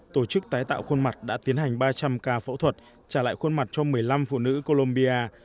tổ chức tái tạo khuôn mặt đã tiến hành ba trăm linh ca phẫu thuật trả lại khuôn mặt cho một mươi năm phụ nữ colombia